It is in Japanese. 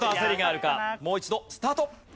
もう一度スタート。